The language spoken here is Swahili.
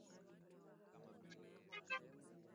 Kiwango cha maambukizi ya ugonjwa katika kundi la mifugo